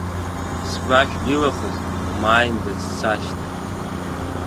Сгәашә илахаз, умааиндаз сашьҭахь…